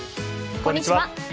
こんにちは。